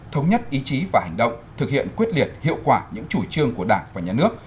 thống nhất ý chí và hành động thực hiện quyết liệt hiệu quả những chủ trương của đảng và nhà nước